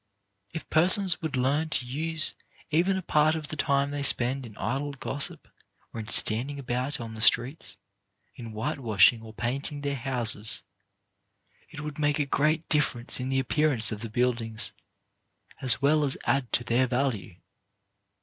If persons would learn to use even a part of the time they spend in idle gossip or in standing about on the streets, in white washing or painting their houses, it would make a great difference in the appearance of the build ings, as well as add to their value.